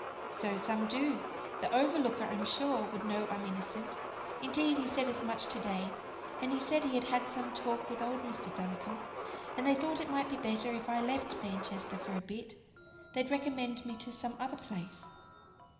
"So some do; the overlooker, I'm sure, would know I'm innocent. Indeed, he said as much to day; and he said he had had some talk with old Mr. Duncombe, and they thought it might be better if I left Manchester for a bit; they'd recommend me to some other place."